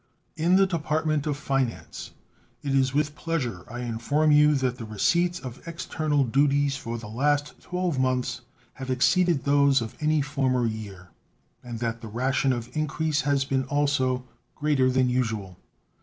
In the Department of Finance it is with pleasure I inform you, that the receipts of external duties for the last 12 months have exceeded those of any former year, and that the ration of increase has been also greater than usual.